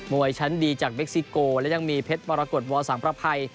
วยชั้นดีจากเม็กซิโกและยังมีเพชรมรกฏวอสังประภัย